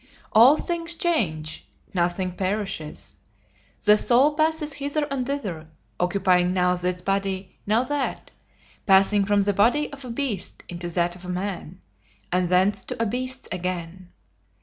All things change, nothing perishes. The soul passes hither and thither, occupying now this body, now that, passing from the body of a beast into that of a man, and thence to a beast's again.